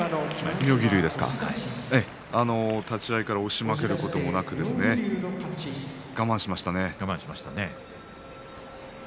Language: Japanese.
妙義龍は立ち合い押し負けることなく我慢しました。